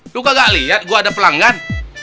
lo kagak lihat gue ada pelanggan